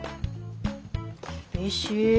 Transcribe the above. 厳しい。